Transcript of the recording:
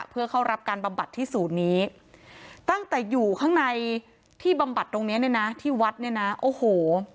เพื่อเข้ารับการบำบัดที่ศูนย์นี้ตั้งแต่อยู่ข้างในที่บำบัดตรงเนี้ยเนี่ยนะที่วัดเนี่ยนะโอ้โห